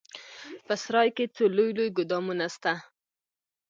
په سراى کښې څو لوى لوى ګودامونه سته.